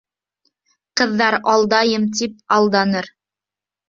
Ҡыҙҙар «алдайым» тип алданыр.